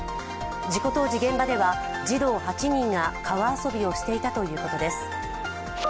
事故当時、現場では児童８人が川遊びをしていたということです。